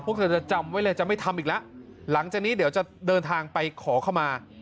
เธอจะจำไว้เลยจะไม่ทำอีกแล้วหลังจากนี้เดี๋ยวจะเดินทางไปขอเข้ามา